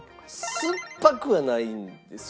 酸っぱくはないんですよ。